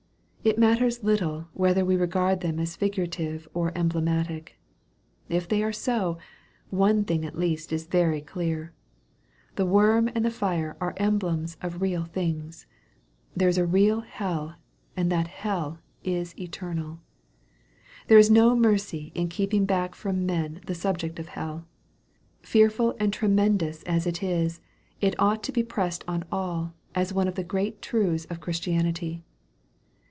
It matters little whether we regard them as figurative and emblematic. If they are so, one thing at least is very clear. The worm and the fire are emblems of real things. There is a real hell, and that hell is eternal. There is no mercy in keeping back from men the sub ject of hell. Fearful and tremendous as it is, it ought to be pressed on all, as one of the great truths of Chris tianity.